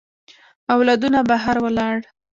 اولادونه بهر ولاړ.